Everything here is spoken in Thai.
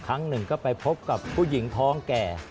ครั้งหนึ่งก็ไปพบกับผู้หญิงท้องแก่